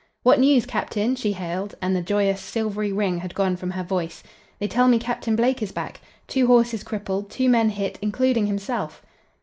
"What news, captain?" she hailed, and the joyous, silvery ring had gone from her voice. "They tell me Captain Blake is back two horses crippled, two men hit, including himself."